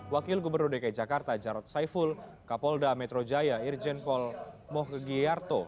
wakil gubernur dki jakarta jarod saiful kapolda metro jaya irjen pol mohkegiarto